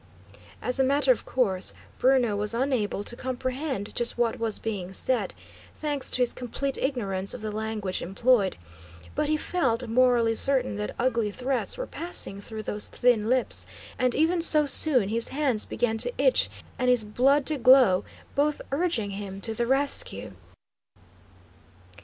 As a matter of course, Bruno was unable to comprehend just what was being said, thanks to his complete ignorance of the language employed; but he felt morally certain that ugly threats were passing through those thin lips, and even so soon his hands began to itch and his blood to glow, both urging him to the rescue.